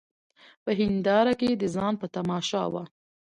په هینداره کي د ځان په تماشا وه